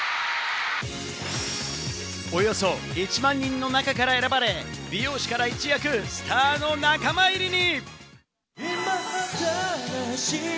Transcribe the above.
およそ１万人の中から選ばれ、美容師から一躍、スターの仲間入りに。